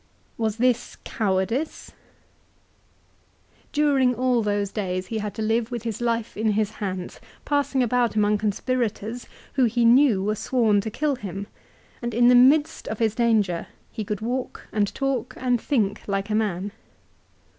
Was this cowardice ? During all those days he had to live with his life in his hands, passing about among con spirators who he knew were, sworn to kill him, and in the midst of his danger he could walk and talk and think like a man.